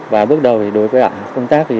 và bước đầu đối với các công tác